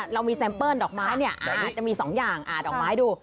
เรามีแซมเปิ้ลดอกไม้เนี่ยจะมี๒อย่างดอกไม้ดู